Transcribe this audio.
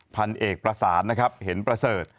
พันเอกประสานนะครับเห็นประเสริฐ